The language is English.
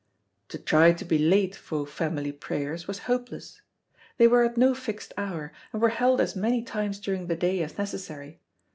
To try to be late for family prayers was hopeless. They were at no fixed hour, and were held as many times during the day as necessary.